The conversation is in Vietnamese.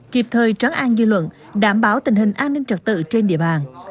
kịp thời trắng an dư luận đảm bảo tình hình an ninh trật tự trên địa bàn